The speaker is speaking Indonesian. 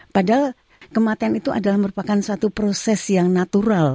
padahal kematian itu adalah merupakan suatu proses yang natural